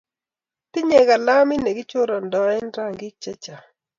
tinyei kilamit ne kichorondoen rangik che chang'